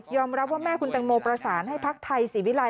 ยอมรับว่าแม่คุณแต่งโมประสานให้ภาคไทยศิวิไลย์